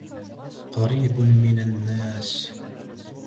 قَرِيبٌ مِنْ النَّاسِ